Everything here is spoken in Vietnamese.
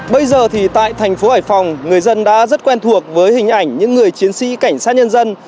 bây giờ thì tại thành phố hải phòng người dân đã rất quen thuộc với hình ảnh những người chiến sĩ cảnh sát nhân dân